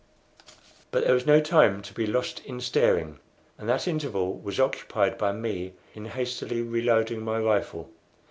But there was no time to be lost in staring, and that interval was occupied by me in hastily reloading my rifle.